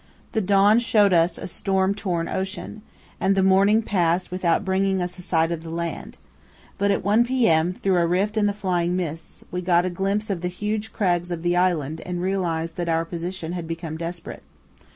The dawn showed us a storm torn ocean, and the morning passed without bringing us a sight of the land; but at 1 p.m., through a rift in the flying mists, we got a glimpse of the huge crags of the island and realized that our position had become desperate.